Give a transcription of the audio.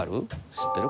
知ってる？